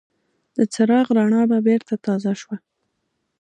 د څراغ رڼا به بېرته تازه شوه.